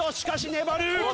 粘る。